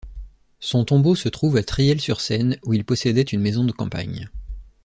Son tombeau se trouve à Triel-sur-Seine où il possédait une maison de campagne.